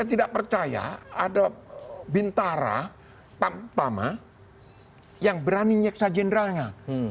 saya tidak percaya ada bintara pama yang berani nyeksa jenderalnya